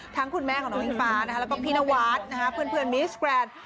ทั้งคุณแม่ของน้องอิงฟ้านะคะแล้วก็พี่นวาดนะคะเพื่อนมีส์แกนด์อ๋อ